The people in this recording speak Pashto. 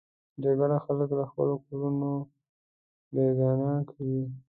جګړه خلک له خپلو کورونو بېګانه کوي